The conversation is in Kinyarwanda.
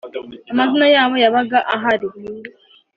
amazina yabo yabaga ahari